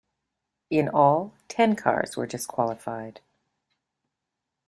In all, ten cars were disqualified.